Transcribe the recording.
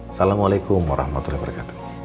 assalamualaikum warahmatullahi wabarakatuh